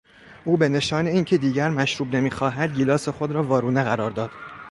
او به نشان اینکه دیگر مشروب نمیخواهد گیلاس خود را وارونه قرار داد.